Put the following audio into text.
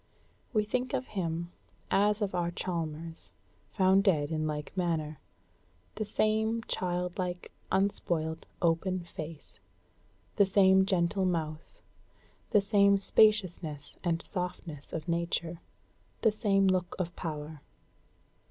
We think of him as of our Chalmers, found dead in like manner: the same childlike, unspoiled, open face; the same gentle mouth; the same spaciousness and softness of nature; the same look of power.